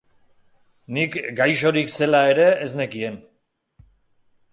Nik gaixorik zela ere ez nekien.